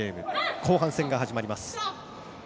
後半戦が始まります。